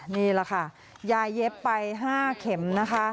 นี่แหละค่ะยายเย็บไป๕เข็มนะคะ